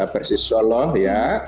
persis solo ya